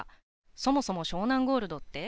そもそも湘南ゴールドって？